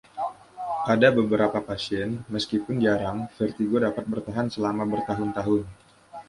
Pada beberapa pasien, meskipun jarang, vertigo dapat bertahan selama bertahun-tahun.